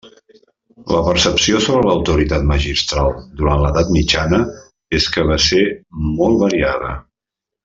La percepció sobre l'autoritat magistral durant l'edat mitjana és que va ser molt variada.